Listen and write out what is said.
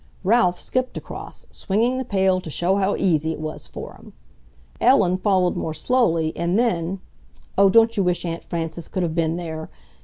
Ralph skipped across, swinging the pail to show how easy it was for him. Ellen followed more slowly, and then—oh, don't you wish Aunt Frances could have been there!